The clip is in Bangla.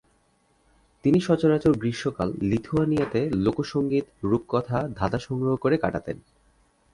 তিনি সচরাচর গ্রীষ্মকাল লিথুয়ানিয়াতে লোক সঙ্গীত, রূপকথা, ধাঁধা সংগ্রহ করে কাটাতেন।